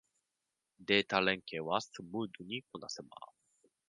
データ連携はスムーズにこなせます